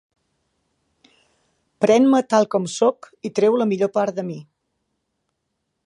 Pren-me tal com sóc i treu la millor part de mi.